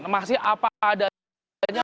masih apa ada